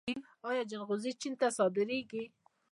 آیا جلغوزي چین ته صادریږي؟